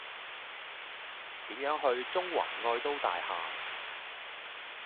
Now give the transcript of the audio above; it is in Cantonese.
點樣去中環愛都大廈